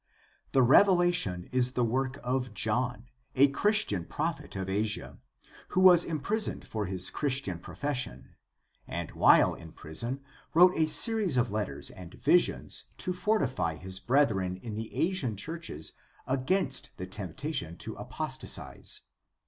— The Revelation is the work of John, a Christian prophet of Asia, who was imprisoned for his Chris THE STUDY OF THE NEW TESTAMENT 195 tian profession, and while in prison wrote a series of letters and visions to fortify his brethren in the Asian churches against the temptation to apostatize.